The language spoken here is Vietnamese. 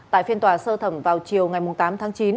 tại phiên tòa sơ thẩm vào chiều ngày tám tháng chín